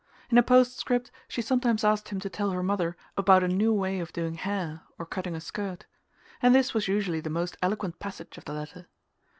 In a postscript she sometimes asked him to tell her mother about a new way of doing hair or cutting a skirt; and this was usually the most eloquent passage of the letter.